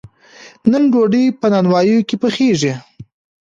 نن ډوډۍ په نانواییو کې پخیږي.